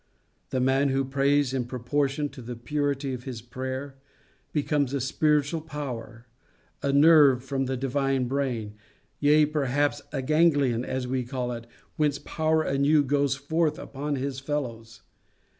The man who prays, in proportion to the purity of his prayer, becomes a spiritual power, a nerve from the divine brain, yea, perhaps a ganglion as we call it, whence power anew goes forth upon his fellows.